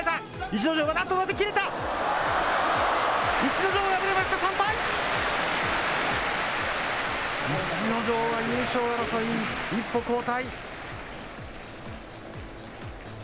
逸ノ城は優勝争いに一歩後退。